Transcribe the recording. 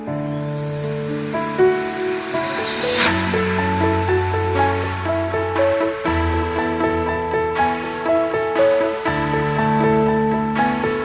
ah duduk duduk duduk